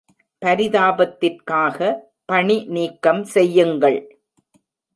பரிதாபத்திற்காக, பணி நீக்கம் செய்யுங்கள்.